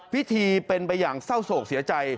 พิธีเป็นไปอย่างเศร้าโศกเสียใจ